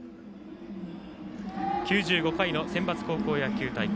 ９５回のセンバツ高校野球大会。